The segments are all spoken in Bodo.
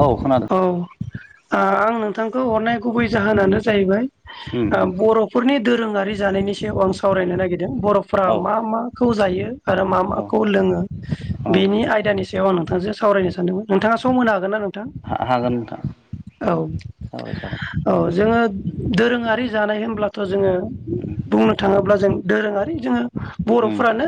औ खोनादों औ आं नोंथांखौ हरनाय गुबै जाहोनानो जाहैबाय उम ओ उम बर' फोरनि दोरोङारि जानायनि सायाव आं सावरायनो नागिरदों बर'फ्रा औ मा माखौ जायो आरो मा औ माखौ लोङो अ बेनि आयदानि सायाव आं नोंथांजों सावरायनो सानदोंमोन नोंथाङा सम होनो हागोन्ना नोंथां? हागोन नोंथां औ। सावरायजागोन औ जोङो दोरोङारि जानाय होनब्लाथ' जोङो उम बुंनो थाङोब्ला जों दोरोङारि जोङो उम बर'फ्रानो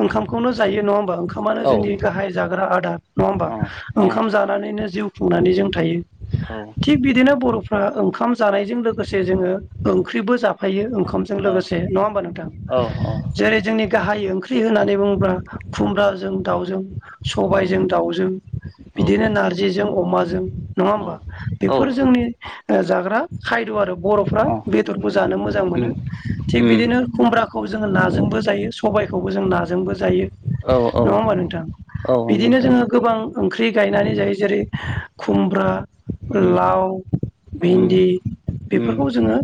ओंखामखौनो जायो नङा होमबा ओं खामानो औ जोंनि गाहाय जाग्रा आदार नङा होमबा? औ ओं औ जानानैनो जिउ खुंनानै जों थायो। औ थिग बिदिनो बर'फ्रा ओंखाम जानायजों लोगोसे जोङो ओंख्रिबो जाफायो ओंखाम जों औ लोगोसे नङा होमबा नोंथां? औ जेरै जोंनि गाहाय ओंख्रि होननानै बुङोब्ला खुमब्राजों दाउजों, सबायजों दाउजों बिदिनो नार्जिजों अमाजों नङा होमबा। औ बेफोर जोंनि ओ जाग्रा खायद' आरो बर'फ्रा औ बेदरखौ जानो मोजां उम मोनो। थिग उम बिदिनो खुमब्राखौ जोङो नाजोंबो जायो सबायखौबो जों नाजोंबो जायो औ औ नङा होमबा नोंथां? नंगौ बिदिनो नोंथां जोङो गोबां ओंख्रि गायनानै जायो जेरै खुमब्रा उम लाव, उम भिन्दि उम बेफोरखौ जोङो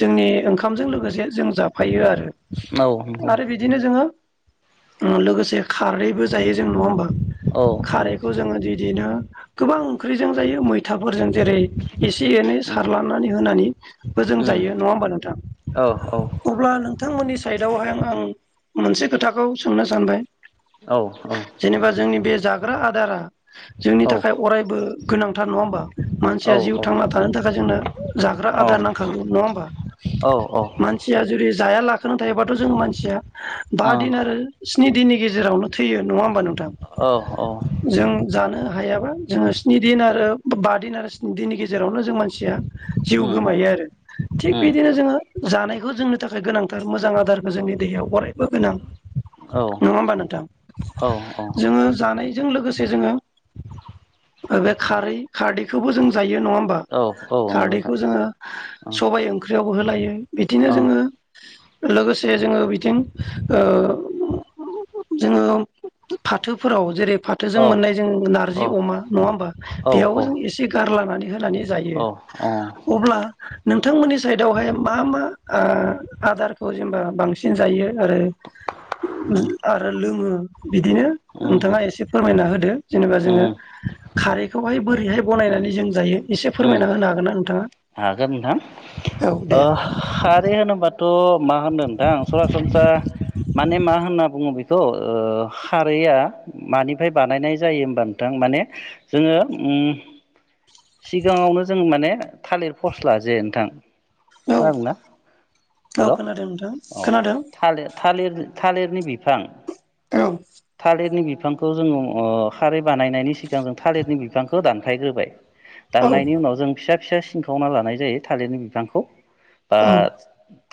जोंनि ओंखामजों लोगोसे जों जाफायो आरो। औ आरो बिदिनो जोङो ओ लोगोसे खारैबो जायो जों नङा होमबा औ खारैखौ [unintelligible] जोङो बिदिनो गोबां ओंख्रिजों जायो मैथाफोरजों जेरै एसे एनै उम सारलानानै होनानैबो जों उम जायो नङा होमबा नोंथां। औ अब्ला नोंथांमोननि साइदावहाय आं मोनसे खोथाखौ सोंनो सानबाय औ औ। जेनेबा जोंनि बे जाग्रा आदारा जोंनि थाखाय अरायबो गोनांथार नङा होमबा? मानसिया जिउ थांना थानो थाखाय जोंनो जाग्रा आदार नांखागौ नङा होमबा? औ औ। मानसिया जुदि जाया लाखोना थायोबाथ' जों मानसिया बा दिन आरो स्नि दिननि गेजेरावनो थैयो नङा होमबा नोंथां? औ औ। जों जानो हायाबा जोङो स्नि दिन आरो बा दिन आरो स्नि दिननि गेजेरावनो जों मानसिया जिउ गोमायो आरो। थिग उम बिदिनो जोङो जानायखौ जोंनि गोनांथार मोजां जोंनि देहायाव अराय बो गोनां। नङा होमबा नोंथां? औ औ जोङो जानाय जों लोगोसे जोङो बे खारै-खारदैखौबो जों जायो नङा होमबा? औ औ नंगौ नोंथां खारदैखौ जोङो सबाय ओंख्रियावबो होलायो बिदिनो औ जोङो लोगोसे जोङो बिथिं ओ जोङो फाथोफोराव जेरै फाथोजों औ मोननाय जों औ नार्जि अमा नङा होमबा बेयाव जों औ एसे गारलानानै होनानै जायो। औ अ अब्ला नोंथांमोननि साइडआवहाय मा मा आ आदारखौ जेनेबा बांसिन जायो आरो [unintelligible] आरो लोङो बिदिनो उम नोंथाङा एसे फोरमायना होदो जेनेबा जोङो उम खारैखौहाय बोरैहाय बनायनानै जों जायो एसे उम फोरमायना होनो हागोन ना नोंथाङा? हागोन नोंथां औ दे ओ खारै होनोबाथ' मा होननो नोंथां सरासनस्रा माने मा होनना बुङो बे थ' ओ खारैया मानिफ्राय बानायनाय जायो होमबा नोंथां माने जोङो उम सिगाङावनो जों माने थालिर फस्ला जे नोंथां औ खोनादोंना औ हेल' खोनादों नोंथां अ खोनादों? थालिर थालिर थालिरनि बिफां औ थालिरनि बिफांखौ जोङो अ खारै बानायनायनि सिगां जों थालिरनि बिफांखौ दानफायग्रोबाय। औ दाननायनि उनाव जों फिसा फिसा सिनखावना लानाय जायो थालिरनि बिफांखौ। ओ औ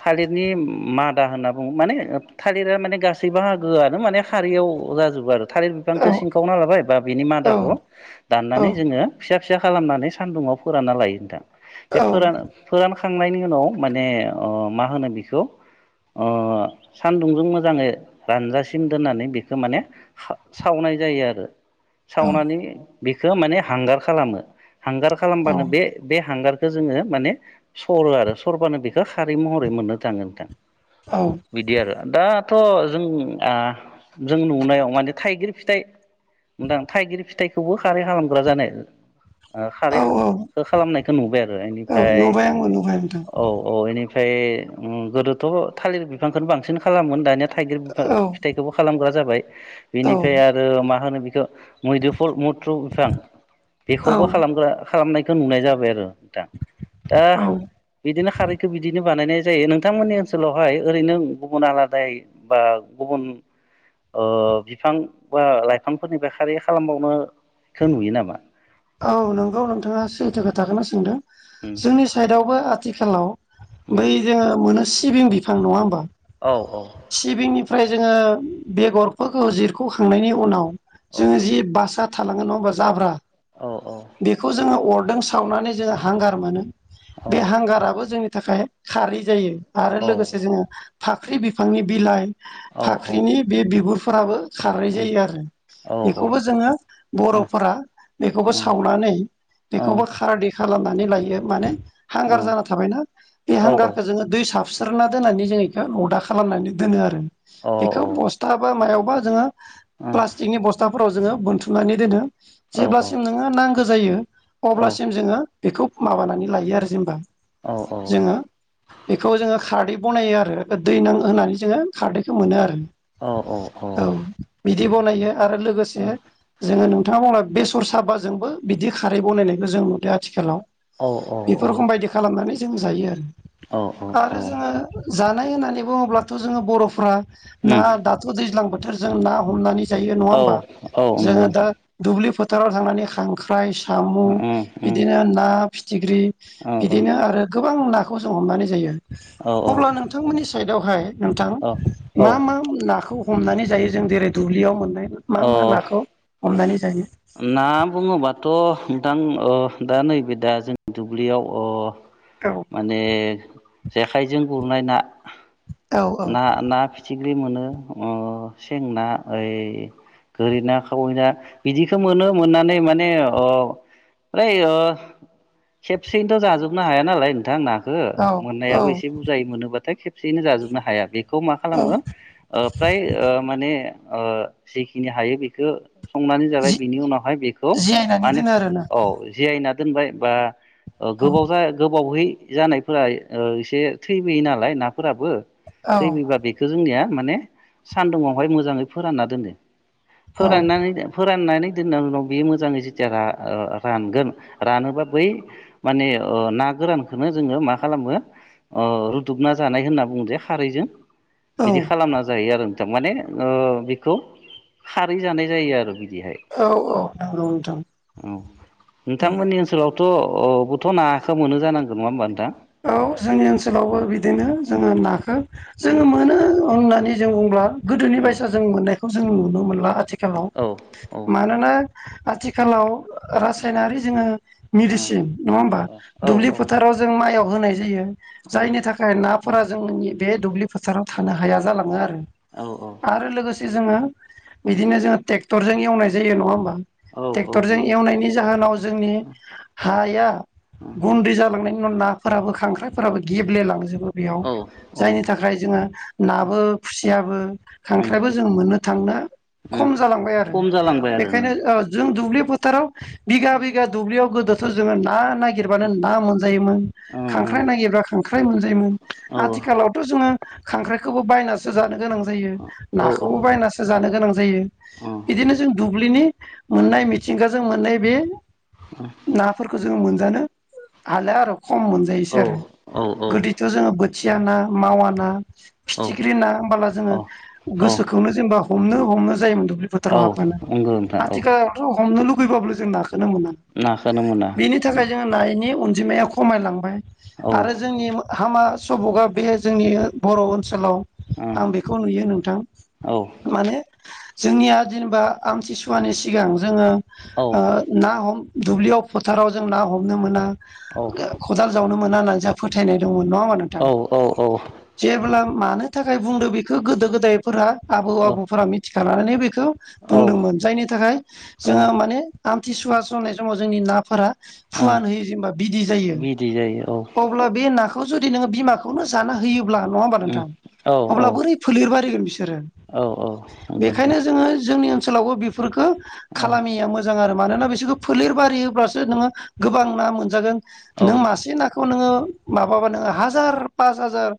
थालिरनि मादा होनना बुङो माने थालिरा माने गासै बाहागोआनो माने खारैयाव जाजोबो आरो थालिर औ बिफांखौ सिनखावना लाबाय बा बेनि औ मादाखौ दाननानै जोङो फिसा फिसा खालामनानै सानदुङाव फोरानना लायो नोंथां बे औ फोरान फोरानखांनायनि उनाव माने अ मा होनो बेखौ अ सान्दुंजों मोजाङै रानजासिम दोननानै बेखौ माने हा सावनाय जायो आरो। सावनानै बेखौ माने हांगार खालामो हांगार खालामबानो बे बे हांगारखौ जोङो माने सरो आरो सरबानो बेखौ खारै महरै मोननो थाङो नोंथां। औ बिदि आरो दाथ' जों आ जों नुनायाव माने थाइगिर फिथाइ नोंथां थाइगिर फिथाइखौबो खारै खालामग्रा जानो ओ खारै औ औ खालामनाय नुबाय आरो बेनिफ्राय नुबाय आंबो नुबाय नोंथां औ औ एनिफ्राय ओम गोदोथ' थालिर बिफांखौनो बांसिन खालामोन दानिया थाइगिर औ फिथाइखौबो खालामग्रा जाबाय औ बिनिफ्राय आ आरो मा होनो बेखौ मैदुफुल मुथ्रु बिफां औ बेखौबो खालामग्रा खालामनायखौ नुनाय जाबाय आरो दा दा औ बिदिनो खारैखौ बिदिनो बानायनाय जायो नोंथांमोननि ओनसोलावहाय ओरैनो गुबुन आलादायै बा गुबुन ओ बिफां बा लाइफांफोरनिफ्राय खारै खालामबावनायखौ नुयो नामा? औ नंगौ नोंथाङा सैथो खोथाखौनो सोंदों उम जोंनि साइडआवबो आथिखालाव उम बै जे मोनो सिबिं बिफां नङा होमबा? औ औ सिबिंनिफ्राय जोङो बेगरफोरखौ जिरख'खांनायनि उनाव औ जोङो जि बासा थालाङो नङा होमबा जाब्रा औ औ बेखौ जोङो अरदों सावनानै जोङो हांगार मोनो औ बे हांगाराबो जोंनि थाखाय खारै जायो आरो लोगोसे औ जोङो फाख्रि बिफांनि बिलाइ औ औ फाख्रिनि बे बिगुरफोराबो खारै उम जायो आरो औ अ औ अ औ बेखौबो जोङो बर'फोरा बेखौबो सावनानै बेखौबो खारदै खालामनानै लायो माने हांगार जाना थाबायना बे हांगारखौ जोङो दै साबस्रोना दोननानै जोङो बेखौ अदा खालामनानै दोनो आरो बेखौ बस था बा मायावबा जोङो प्लास्टिकनि बस्थाफोराव जोङो बोनथुमनानै दोनो जेब्लासिम नोंथाङा नांगौ जायो अब्लासिम जोङो बेखौ माबानानै लायो आरो जेनबा जोङो बेखौ जोङो खारदै बनायो आरो दै नां होनानै जोङो खारदैखौ मोनो आरो। औ बिदि बनायो आरो लोगोसे जोङो नोंथाङा बुंना बेसर साबाजोंबो बिदि खारै बनायनायखौ जों नुदों आथिखालाव बेफोर रखम बायदि खालामनानै जों जायो आरो आरो जोङो जानाय होननानै बुङोब्लाथ' जोङो बर'फ्रा ना उम दाथ' दैज्लां बोथोर जों ना हमनानै जायो नङा होमबा औ नंगौ जोङो दा नोंथां दुब्लि फोथाराव थांनानै खांख्राइ साम' उम उम बिदिनो ना फिथिख्रि औ औ बिदिनो आरो गोबां नाखौ जों हमनानै जायो अब्ला नोंथांमोननि साइडआवहाय नोंथां औ औ मा मा नाखौ हमनानै जायो जों जेरै दुब्लियाव मोननाय मा अ मा नाखौ हमनानै जायो? ना बुङोबाथ' नोंथां ओ दा नैबे दा जोंनि दुब्लियाव ओ औ माने जेखाइजों गुरनाय ना औ ना ना फिथिख्रि मोनो अ सें ना ओइ गोरिना खावैना बिदिखौ मोनो मोननानै माने अ ओइ ओ खेबसेयैनोथ' जाजोबनो हाया नालाय नोंथां ना खो औ औ मोननायाबो एसे बुरजायै मोनोबाथाय खेबसेयैनो जाजोबनो हाया बेखौ मा औ खालामो ओ फ्राय ओ माने ओ जिखिनि हायो बेखौ संनानै जाबाय जि बिनि उनावहाय बेखौ जियायनानै माने दोनो आरोना औ जियायना दोनबाय बा ओ औ गोबाव गोबावै जानायफोरा ओ एसे थैबोय नालाय नाफोराबो औ थैबोयबा बेखौ जोंनिया माने सान्दुंवाहाय मोजाङै फोरानना दोनो। फोराननानैनानै दो फोराननानै दोननायनि उनाव बे मोजाङै जेथिया रा-रानगोन रानोबा बै माने ओ ना गोरानखौनो जोङो मा खालामो ओ रुदुबना जानाय होनना बुङो जे। खारैजों औ बिदि खालामना जायो आरो नों थां माने ओ बिखौ खारै जानाय जायो आरो बिदिहाय। औ औ नंगौ नोंथां। औ औ नोंथांमोननि ओनसोलावथ' अथ' नाखौ मोनो जानांगोन नङा होमबा नोंथां। औ जोंनि ओनसोलावबो बिदिनो जोङो नाखौ उम जोङो मोनो होननानै जों बुंब्ला गोदोनि उम बायसा जों मोननायखौ जों नुनो मोनला आथिखालाव। औ औ मानोना आथिखालाव रासायनारि जोङो औ मेडिसिन नङा होमबा औ दुब्लि फोथाराव जों माइआव होनाय जायो। जायनि थाखाय नाफोरा जोंनि बे दुब्लि फोथाराव थानो हाया जालाङो आरो। औ आरो लोगोसे जोङो बिदिनो जोङो ट्रेक्टरजों एवनाय जायो नङा होमबा। औ ट्रेक्टरजों एवनायनि जाहोनाव जोंनि हाया गुन्दै जालांनायनि उनाव नाफोराबो खांख्राइफोराबो गेब्लेलांजोबो। बेयाव औ औ जायनि थाखाय जोङो नाबो खुसियाबो उम खांख्राइबो जोङो मोननो थांला उम खम जालांबाय आरो खम जालांबाय आरो बेखायनो ओ जों दुब्लि फोथाराव बिगा बिगा दुब्लियाव गोदोथ' जोङो ना नागिरबानो ना मोनजायोमोन। नों खांख्राइ नागिरब्ला खांख्राइ मोनजायोमोन औ आथिखालावथ' जोङो खांख्राइखौबो बायना सो जानो गोनां जायो औ औ नाखौबो बायनासो जानो गोनां जायो। औ बिदिनो जों दुब्लिनि मोननाय मिथिंगाजों मोननाय बे [unintelligible] नाफोरखौ जोङो मोनजानो हालया आरो खम मोनजायोसै औ आरो। गोदोथि अ जोङो बोथियाना मावाना फिथिख्रि ना होमबाला जोङो औ गोसोखौनो जेनेबा हमनो हमनो जायोमोन दुब्लि फोथोराव औ हाबबानो नंगौ नोंथां औ आथिखालावथ' हमनो लुगैबाबो जों नाखौनो मोना। नाखोनो मोना। बेनि थाखाय जोङो नायनि अनजिमाया खमायलांबाय औ आरो जोंनि मो हामा सबका बे जोंनि बर' ओनसोलाव औ आं बेखौ नुयो नोंथां औ माने जोंनिया जेनेबा आमथिसुवानि सिगां जोङो औ ओ ना हम दुब्लियाव फोथाराव जों ना हमनो मोना खदाल जावनो मोना ना जोंहा फोथायनाय दंमोन नङा होमबा नों औ औ औ। जेब्ला मानो थाखाय बुंदों बेखौ गोदो गोदायफोरा आबौ आबौफोरा मिथिखानानै बेखौ औ बुंदोंमोन जायनि थाखाय जोंहा औ माने आमथिसुवा जानाय समाव जोंनि नाफोरा फुवान होयो जेनेबा बिदै जायो बिदै जायो औ। अब्ला बे नाखौ जुदि नोङो बिमाखौनो जाना होयोब्ला नङा होमबा औ नोंथां औ औ अब्ला बोरै फोलेर बारिगोन बिसोरो औ औ नंगौ बेखायनो नोंथां जोङो जोंनि ओनसोलावबो बि फोरखो औ खालामिया मो जां आरो मोनोना बिसोरखो फोलेर बारिहोब्लासो नोङो गोबां ना मोनजागोन औ नों मासे ना खौ नोङो माबाबानो हाजार पास हाजार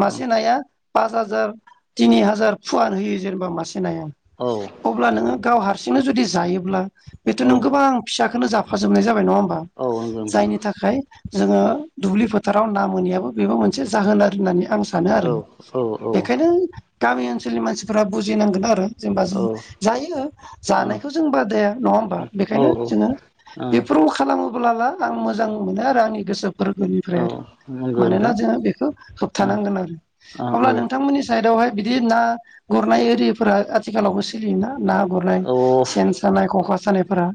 मासे नाया पास हाजार तिनि हाजार फुवान होयो जेनेबा मासे नाया। औ। अब्ला नोङो गाव हारसिंनो जुदि जायोब्ला बेथ' औ नों गोबां फिसाखोनो जाफाजोबनाय जाबाय नङा होमबा? औ। नोंथां जायनि थाखाय जोङो औ दुब्लि फोथाराव ना मोनैयाबो बेबो मोनसे जाहोन आरो होननानै आं सानो आरो औ औ बेखायनो गामि ओनसोलनि मानसिफोरा बुजिनांगोन आरो जेनेबा जों जायो औ जानायखौ जों बादाया नङा होमबा औ बेखायनो औ जोङो ओ बेफोरखौ खालामोब्लाला आं मोजां मोनो आरो आंनि गोसो औ गोरबोनिफ्राय आरो नंगौ मानोना नोंथां जोङो बेखौ होबथानांगोन आरो ओ अब्ला नोंथांमोननि साइदावहाय बिदि ना गुरनाय एरिफोरा आथिखालावबो सोलियोना ना गुरनाय औ औ सेन सानाय खखा सानायफोरा।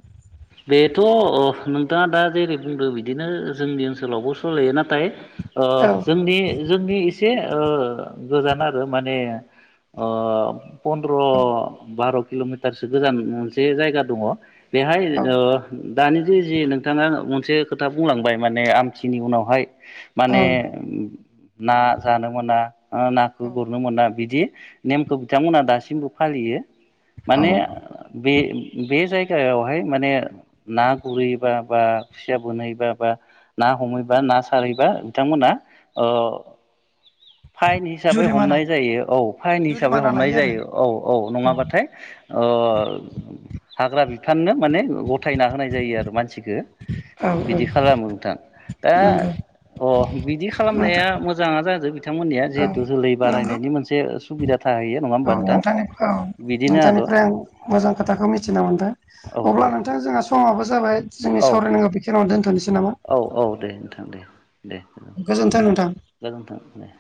बेथ' अ नोंथाङा दा जेरै बुंदों बिदिनो जोंनि ओनसोलावबो सलियो नाथाय ओ औ जोंनि जोंनि इसे ओ गोजान आरो माने अ पनद्र' बार' किल'मिटारसो गोजान मोनसे जायगा दङ' बेहाय औ ओ दानि जे जि नोंथाङा मोनसे खोथा बुंलांबाय माने आमथिनि उनावहाय औ माने ना जानो मोना ओ नाखो औ गुरनो मोना बिदि नेमखौ बिथांमोना दासिमबो फालियो माने औ बे बे जायगायावहाय माने ना गुरहैबा बा खुसिया बोनहैबा बा ना हमहैबा ना सारहैबा बिथांमोना ओ फाइन हिसाबै जुरिमाना हमनाय जायो औ फाइन हिसाबै जुरिमाना हमनाय लायो आरो जायो औ औ नङाबाथाय ओ हाग्रा बिफाननो माने गथायना होनाय जायो आरो मानसिखो औ औ बिदि खालामो नोंथां दा नंगौ अ बिदि नोंथां खालामनाया मोजाङानो जादों। बिथांमोननिया औ जिहेथु जोलै नंगौ बारायनायनि मोनसे सुबिदा थाहैयो। नङा होमबा औ नोंथां औ बिदिनो आरो नोंथांनिफ्राय आं मोजां खोथाखौ मिथिना मोनदों। औ औ अब्ला नोंथां जोंहा समाबो जाबाय औ जोंनि सावरायनांगौ बे खिनियाव दोनथ'नोसै नामा? औ औ दे नोंथां दे दे ओ। गोजोन्थों नोंथां। गोजोन्थों दे।